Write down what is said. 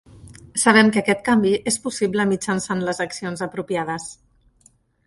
Sabem que aquest canvi és possible mitjançant les accions apropiades.